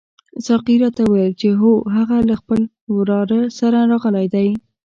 ساقي راته وویل چې هو هغه له خپل وراره سره راغلی دی.